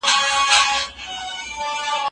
که خاوند او ميرمن معقول عذر ولري.